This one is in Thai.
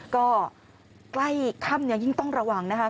ก็ใกล้ค่ำยิ่งต้องระวังนะคะ